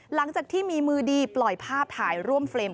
หลังจากที่มีมือดีปล่อยภาพถ่ายร่วมเฟรม